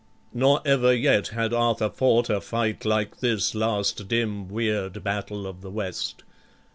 Nor ever yet had Arthur fought a fight Like this last dim, weird battle of the west.